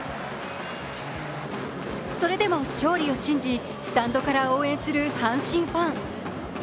それでも勝利を信じ、スタンドから応援する阪神ファン。